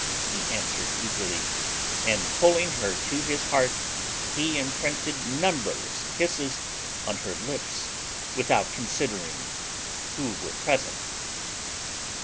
he answered eagerly: and, pulling her to his heart, he imprinted numberless kisses on her lips, without considering who were present.